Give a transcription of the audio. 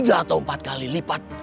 tiga atau empat kali lipat